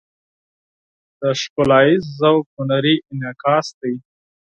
د ښکلاییز ذوق هنري انعکاس دی.